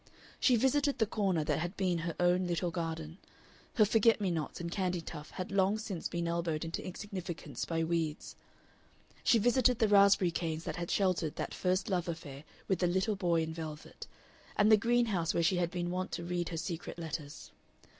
She visited the corner that had been her own little garden her forget me nots and candytuft had long since been elbowed into insignificance by weeds; she visited the raspberry canes that had sheltered that first love affair with the little boy in velvet, and the greenhouse where she had been wont to read her secret letters.